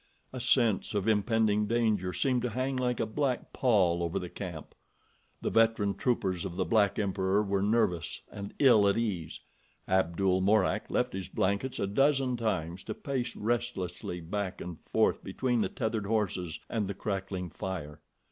A sense of impending danger seemed to hang like a black pall over the camp. The veteran troopers of the black emperor were nervous and ill at ease. Abdul Mourak left his blankets a dozen times to pace restlessly back and forth between the tethered horses and the crackling fire.